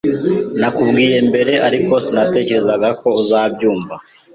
Nakubwiye mbere, ariko sinatekerezaga ko uzabyumva.